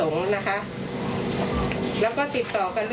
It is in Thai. แม่ชีค่ะ